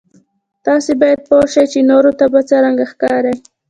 تاسو باید پوه شئ چې نورو ته به څرنګه ښکارئ.